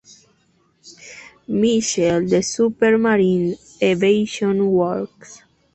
Mitchell de Supermarine Aviation Works.